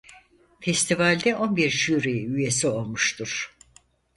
Festival'de on bir Jüri üyesi olmuştur.